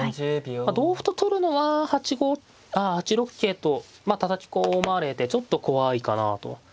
同歩と取るのは８六桂とたたき込まれてちょっと怖いかなと。